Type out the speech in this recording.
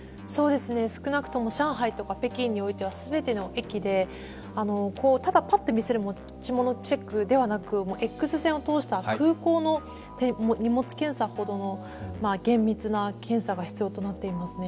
少なくとも上海とか北京においては全ての駅でただパッと見せる持ち物チェックではなく、Ｘ線を通した空港の荷物検査ほどの厳密な検査が必要となっています。